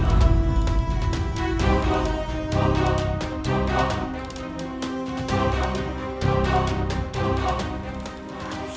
itu ada jejak kaki